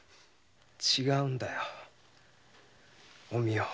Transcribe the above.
違うんだお美代。